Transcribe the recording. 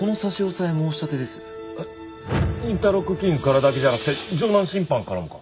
インターロック金融からだけじゃなくて城南信販からもか？